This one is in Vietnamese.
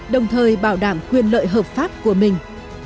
đồng thời bảo đảm quyền lợi hợp pháp của mình